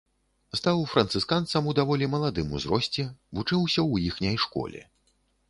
Стаў францысканцам у даволі маладым узросце, вучыўся ў іхняй школе.